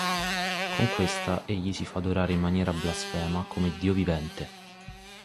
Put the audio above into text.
Con questa egli si fa adorare in maniera blasfema come dio vivente.